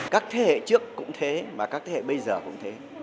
các thế hệ trước cũng thế mà các thế hệ bây giờ cũng thế